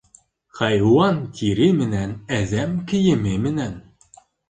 Хайуан тире менән, әҙәм кейеме менән.